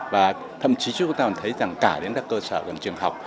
và thậm chí chúng ta thấy cả các cơ sở gần trường học